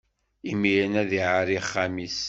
Imiren ad iɛerri axxam-is.